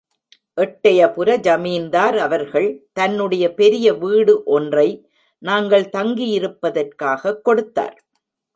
எட்டையபுர ஜமீன்தார் அவர்கள் தன்னுடைய பெரிய வீடு ஒன்றை நாங்கள் தங்கியிருப்பதற்காகக் கொடுத்தார்.